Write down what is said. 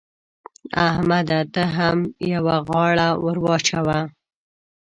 احمده! ته هم يوه غاړه ور واچوه.